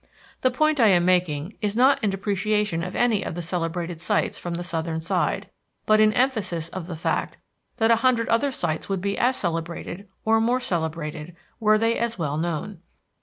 The point I am making is not in depreciation of any of the celebrated sights from the southern side, but in emphasis of the fact that a hundred other sights would be as celebrated, or more celebrated, were they as well known.